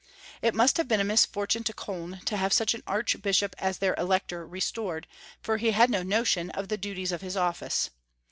It must have been a misfortune to Koln to have such an Arch bishop as their Elector restored, for he had no notion of the duties of his ofi&ce.